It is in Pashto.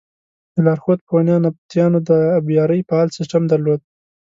د لارښود په وینا نبطیانو د ابیارۍ فعال سیسټم درلود.